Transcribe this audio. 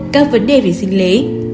một các vấn đề về sinh lý